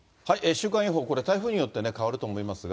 週間予報、これ台風によって変わると思いますが。